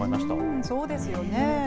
そうですよね。